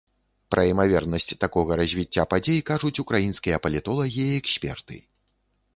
Пра імавернасць такога развіцця падзей кажуць украінскія палітолагі і эксперты.